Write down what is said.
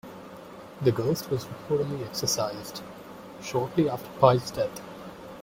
The ghost was reportedly exorcised shortly after Pye's death.